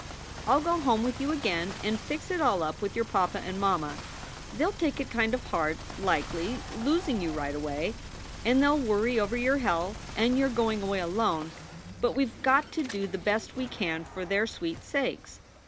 "I ll go home with you again and fix it all up with your papa and mamma. They ll take it kind of hard, likely, losing you right away, and they ll worry over your health and your going away alone; but we ve got to do the best we can for their sweet sakes.